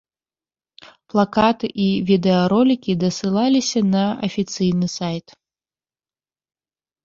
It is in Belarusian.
Плакаты і відэаролікі дасылаліся на афіцыйны сайт.